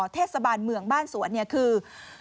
เทศบาลเมืองบ้านสวนเนี่ยคือ